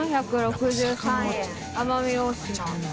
４６３円奄美大島。